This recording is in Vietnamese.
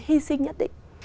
hy sinh nhất định